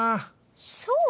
そう？